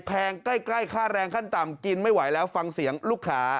แงใกล้ค่าแรงขั้นต่ำกินไม่ไหวแล้วฟังเสียงลูกค้า